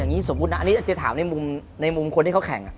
อย่างนี้สมมุตินะอันนี้เจ๊ถามในมุมคนที่เขาแข่ง